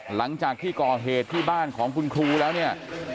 หลังจากที่ก่อเหตุที่บ้านของคุณครูแล้วเนี่ย